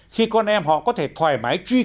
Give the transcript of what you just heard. khi con em họ có thể thoải mái truy cập